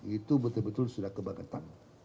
itu betul betul sudah kebangetan